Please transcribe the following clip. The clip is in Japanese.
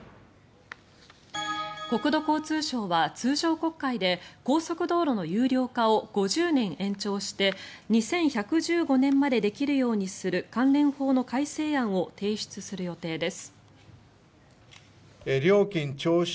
国土交通省は通常国会で高速道路の有料化を５０年延長して２１１５年までできるようにする関連法の改正案を提出する予定です。